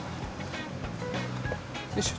よいしょ。